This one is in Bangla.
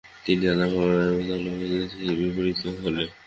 তিনি নানাভাবে ভলতেয়ারের ঠিক বিপরীত ছিলেন।